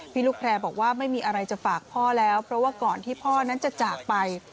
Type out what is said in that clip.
ลูกแพร่บอกว่าไม่มีอะไรจะฝากพ่อแล้วเพราะว่าก่อนที่พ่อนั้นจะจากไป